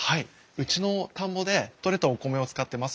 うちの田んぼで取れたお米を使ってますので。